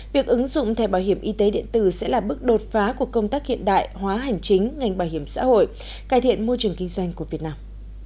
việc ứng dụng thẻ bảo hiểm y tế điện tử sẽ là bước đột phá của công tác hiện đại hóa hành chính ngành bảo hiểm xã hội cải thiện môi trường kinh doanh của việt nam